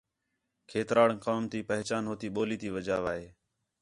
کھیتران قوم تی پہچاݨ ہوتی ٻولی تی وجہ وا ہے